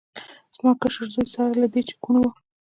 زما کشر زوی سره له دې چې کوڼ و.